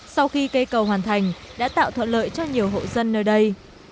sau khi cây cầu hoàn thành đã tạo thuận lợi cho nhiều hộ dân nơi đây